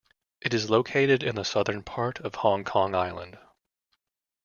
It is located in the southern part of Hong Kong Island.